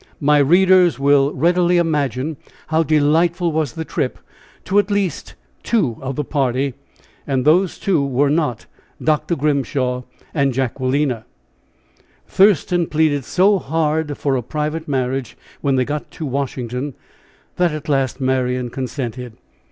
My readers will readily imagine how delightful was the trip to at least two of the party. And those two were not Dr. Grimshaw and Jacquelina. Thurston pleaded so hard for a private marriage when they got to Washington that at last Marian consented.